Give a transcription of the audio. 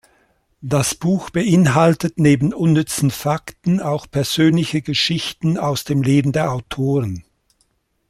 Das Buch beinhaltet neben unnützen Fakten auch persönliche Geschichten aus dem Leben der Autoren.